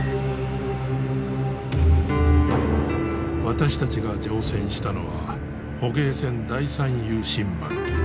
私たちが乗船したのは捕鯨船第三勇新丸。